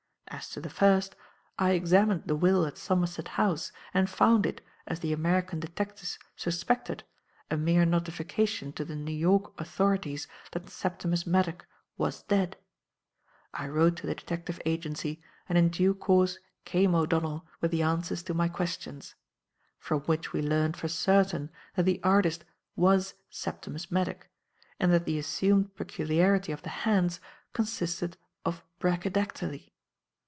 As to the first, I examined the will at Somerset House and found it, as the American detectives suspected, a mere notification to the New York authorities that Septimus Maddock was dead. I wrote to the detective agency and in due course came O'Donnell with the answers to my questions; from which we learned for certain that the artist was Septimus Maddock and that the assumed peculiarity of the hands consisted of brachydactyly.